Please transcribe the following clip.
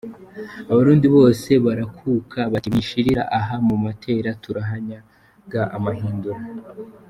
Abarundi bandi bose barakuka, bati “Mwishirira aha mu matera turahanyaga amahindura”.